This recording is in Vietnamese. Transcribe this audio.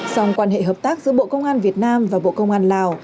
song quan hệ hợp tác giữa bộ công an việt nam và bộ công an lào